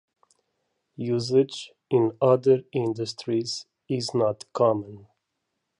Usage in other industries is not common.